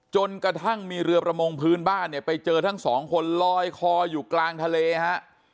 จนกระทั่งมีเรือประมงพื้นบ้านเนี่ยไปเจอทั้งสองคนลอยคออยู่กลางทะเลฮะ